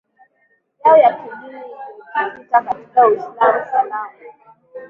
yao ya kidini iliyojikita katika Uislamu salamu